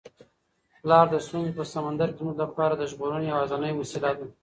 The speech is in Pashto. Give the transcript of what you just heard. پلار د ستونزو په سمندر کي زموږ لپاره د ژغورنې یوازینۍ وسیله ده.